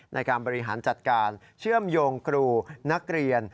ในการบริหารจัดการเชื่อมโยงครูนักเรียน